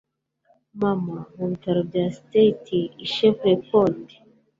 mama mu bitaro bya tri-state i shreveport